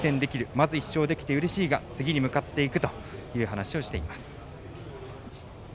まず１勝できてうれしいが次に向かっていくという話をしています。